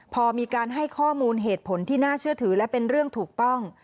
พอมีการให้ข้อมูลเหตุผลที่น่าเชื่อถือและเป็นเรื่องถูกต้อง